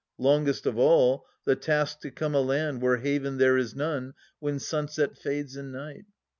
I^ongest of all, the task to come aland Where haven there is none, when sunset fades In night.